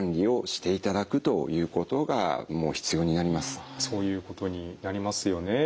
基本的にはそういうことになりますよね。